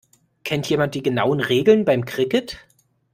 Kennt jemand die genauen Regeln beim Cricket?